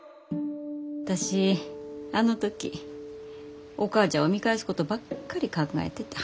私あの時お母ちゃんを見返すことばっかり考えてた。